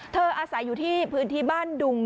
อาศัยอยู่ที่พื้นที่บ้านดุง